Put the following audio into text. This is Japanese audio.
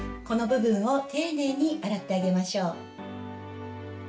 この部分を丁寧に洗ってあげましょう。